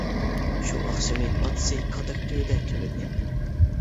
شۇ ئاخشىمى ئاتىسى كاتەك تۈۋىدە تۈنىدى.